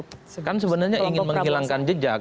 kelompok prabowo kan sebenarnya ingin menghilangkan jejak